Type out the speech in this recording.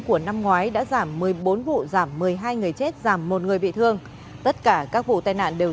của năm ngoái đã giảm một mươi bốn vụ giảm một mươi hai người chết giảm một người bị thương tất cả các vụ tai nạn đều